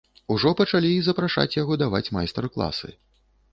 Ужо пачалі і запрашаць яго даваць майстар-класы.